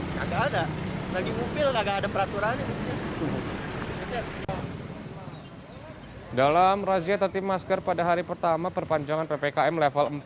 lagi ngubil ada peraturan ini dalam razia tertip masker pada hari pertama perpanjangan ppkm level